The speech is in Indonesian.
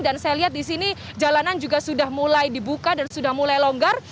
dan saya lihat di sini jalanan juga sudah mulai dibuka dan sudah mulai longgar